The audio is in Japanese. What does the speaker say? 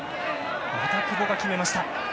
また久保が決めました。